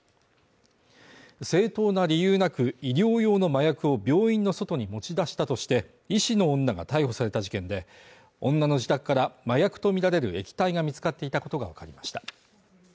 正当な理由なく、医療用の薬を病院の外に持ち出したとして、医師の女が逮捕された事件で、女の自宅から麻薬とみられる液体が見つかっていたことがわかりました。